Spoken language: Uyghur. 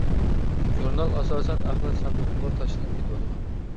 ژۇرنال ئاساسەن ئەخلەت ساندۇقىغا تاشلىنىپ كېتىۋاتىدۇ.